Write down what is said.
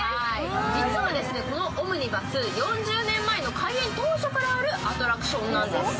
実はこのオムニバス、４０年前の開園当初からあるアトラクションなんです。